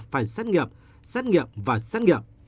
phải xét nghiệm xét nghiệm và xét nghiệm